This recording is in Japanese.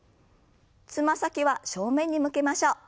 つま先は正面に向けましょう。